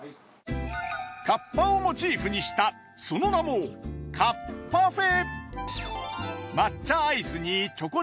カッパをモチーフにしたその名もカッパフェ。